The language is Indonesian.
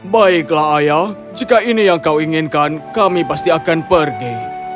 baiklah ayah jika ini yang kau inginkan kami pasti akan pergi